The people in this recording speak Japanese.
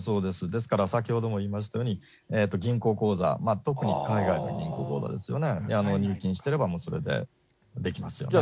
ですから、先ほども言いましたように、銀行口座、特に海外の銀行口座ですよね、入金していれば、それでできますよね。